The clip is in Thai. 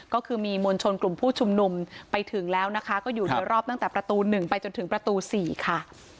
ก็คือมีมวลชนกลุ่มผู้ชุมนุมไปถึงแล้วนะคะก็อยู่โดยรอบตั้งแต่ประตู๑ไปจนถึงประตู๔ค่ะ